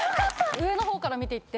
上の方から見ていって。